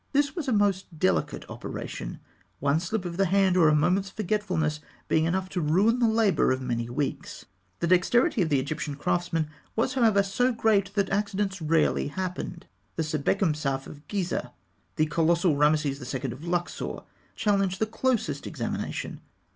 This was a most delicate operation, one slip of the hand, or a moment's forgetfulness, being enough to ruin the labour of many weeks. The dexterity of the Egyptian craftsman was, however, so great that accidents rarely happened. The Sebekemsaf of Gizeh, the colossal Rameses II. of Luxor, challenge the closest examination.